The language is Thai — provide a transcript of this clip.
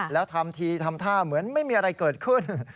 แล้วทำทีทำท่าเหมือนไม่มีอะไรเกิดขึ้น